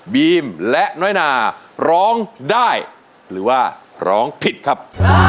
บีมและน้อยนาร้องได้หรือว่าร้องผิดครับ